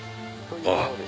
ああ。